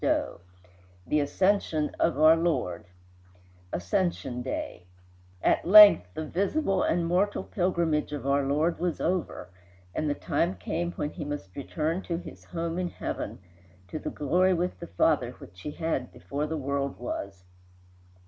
XXX THE ASCENSION OF OUR LORD Ascension Day At length the visible and mortal pilgrimage of our Lord was over, and the time come when he must return to his home in heaven, to the glory with the Father which he had before the world was.